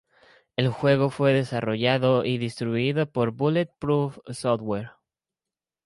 El juego fue desarrollado y distribuido por Bullet-Proof Software.